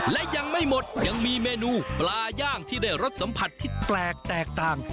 และยังไม่หมดยังมีเมนูปลาย่างที่ได้รสสัมผัสที่แปลกแตกต่าง